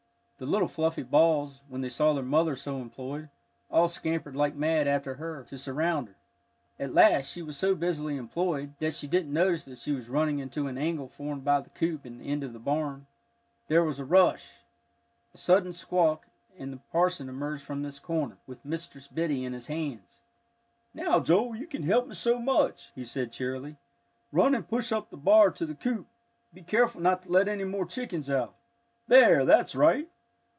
The little fluffy balls, when they saw their mother so employed, all scampered like mad after her, to surround her. At last, she was so busily employed, that she didn't notice that she was running into an angle formed by the coop and the end of the barn. There was a rush. A sudden squawk, and the parson emerged from this corner, with Mistress Biddy in his hands. "Now, Joel, you can help me so much," he said cheerily. "Run and push up the bar to the coop. Be careful not to let any more chickens out. There, that's right!"